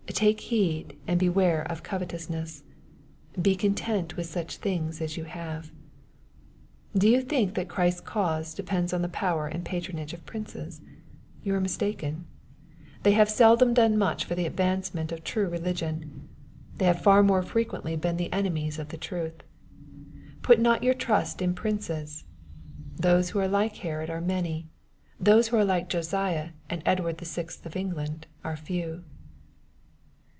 " Take heed, and beware of covetousness." " Be content with such things as you have." Do you think that Christ's cause depends on the power and patronage of princes ? You are mistaken. They MATTHEW, CHAP. II. 16 have seldom done much for the advancement of true religion. They have far more frequently been the ene mies of the truth. " Put not your trust in princes." Those who are like Herod are many. Those who are like Josiah and Edward the Sixth of England are few.